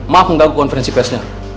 maaf mengganggu konferensi psk nya